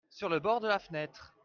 sur le bord de la fenêtre.